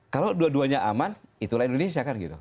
kalau dua duanya aman itulah indonesia kan gitu